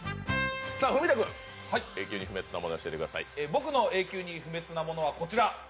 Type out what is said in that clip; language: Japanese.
僕の永久に不滅なものはこちら。